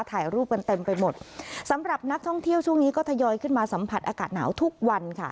ถ่ายรูปกันเต็มไปหมดสำหรับนักท่องเที่ยวช่วงนี้ก็ทยอยขึ้นมาสัมผัสอากาศหนาวทุกวันค่ะ